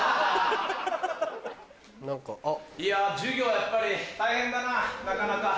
いや授業はやっぱり大変だななかなか。